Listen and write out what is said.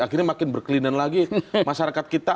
akhirnya makin berkelindan lagi masyarakat kita